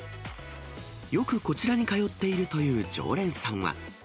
よくこちらに通っているという常連さんは。